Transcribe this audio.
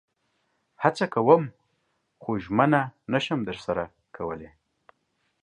هڅه کوم خو ژمنه نشم درسره کولئ